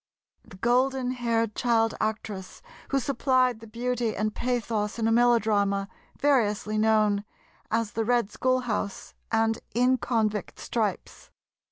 the golden haired child actress who supplied the beauty and pathos in a melodrama variously known as "The Red Schoolhouse" and "In Convict Stripes."